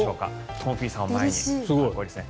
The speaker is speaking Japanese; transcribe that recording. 東輝さんを前にかっこいいですね。